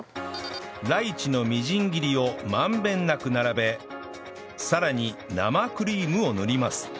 ライチのみじん切りをまんべんなく並べさらに生クリームを塗ります